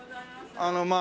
あのまあ